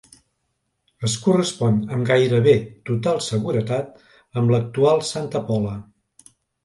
Es correspon amb gairebé total seguretat amb l'actual Santa Pola.